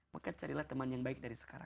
maka carilah teman yang baik dari sekarang